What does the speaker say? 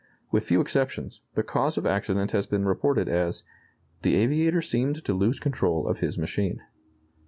With few exceptions, the cause of accident has been reported as, "The aviator seemed to lose control of his machine."